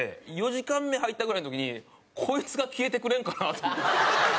４時間目入ったぐらいの時にこいつが消えてくれんかなと。